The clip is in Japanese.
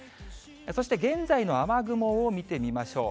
そして、現在の雨雲を見てみましょう。